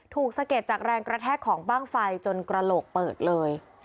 สะเก็ดจากแรงกระแทกของบ้างไฟจนกระโหลกเปิดเลย